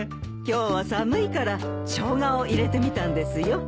今日は寒いからショウガを入れてみたんですよ。